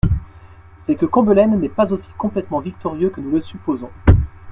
C'est que Combelaine n'est pas aussi complètement victorieux que nous le supposons.